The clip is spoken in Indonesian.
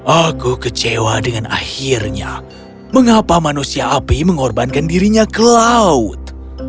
aku kecewa dengan akhirnya mengapa manusia api mengorbankan dirinya ke laut